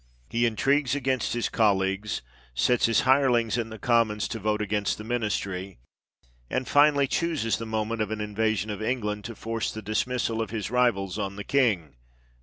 He intrigues against his colleagues, sets his hirelings in the Commons to vote against the ministry, and finally chooses the moment of an invasion of England to force the dismissal of his rivals on the king (p.